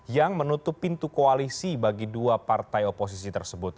yang menutup pintu koalisi bagi dua partai oposisi tersebut